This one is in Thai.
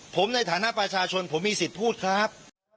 ผมในฐานะประชาชนผมมีสิทธิ์พูดครับ